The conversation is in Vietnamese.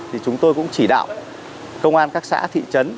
thì chúng tôi cũng chỉ đạo công an các xã thị trấn